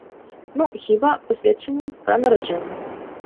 Ну, хіба, пасведчаннем пра нараджэнне.